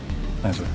それ。